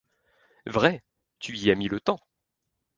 Vrai ! tu y as mis le temps !